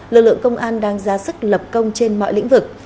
lực lượng công an đang ra sức lập công trên mọi lĩnh vực